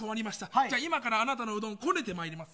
今からあなたのうどんをこねてまいります。